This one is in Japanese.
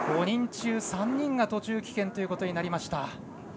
５人中３人が途中棄権となりました。